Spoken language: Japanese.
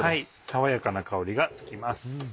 爽やかな香りがつきます。